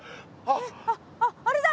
ああれだ！